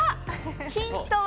ヒントは。